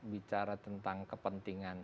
bicara tentang kepentingan